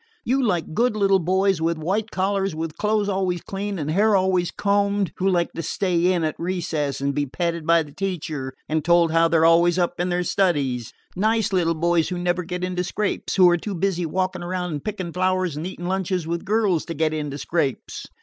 You like good little boys in white collars, with clothes always clean and hair always combed, who like to stay in at recess and be petted by the teacher and told how they're always up in their studies; nice little boys who never get into scrapes who are too busy walking around and picking flowers and eating lunches with girls, to get into scrapes.